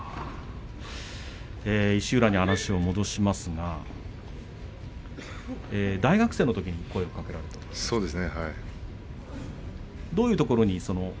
石浦に話を戻しますが大学生のときに声をかけられたとそうですね。